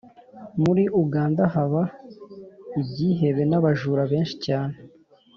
muri Uganda haba ibyihebe n'abajura benshi cyane